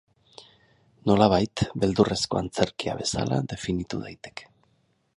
Nolabait, beldurrezko antzerkia bezala definitu daiteke.